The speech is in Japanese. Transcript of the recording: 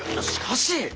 しかし。